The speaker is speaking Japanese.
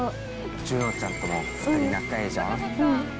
朱希ちゃんとも２人仲いいじゃん。